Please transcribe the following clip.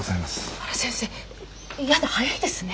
あら先生やだ早いですね？